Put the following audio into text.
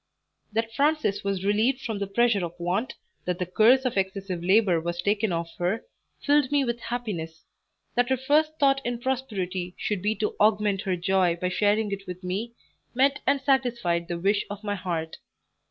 That Frances was relieved from the pressure of want, that the curse of excessive labour was taken off her, filled me with happiness; that her first thought in prosperity should be to augment her joy by sharing it with me, met and satisfied the wish of my heart.